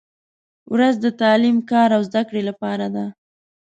• ورځ د تعلیم، کار او زدهکړې لپاره ده.